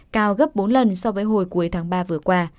cao gấp bốn lần so với hồi cuối tháng ba vừa qua